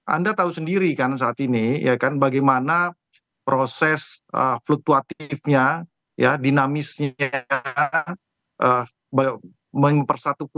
anda tahu sendiri kan saat ini ya kan bagaimana proses fluktuatifnya dinamisnya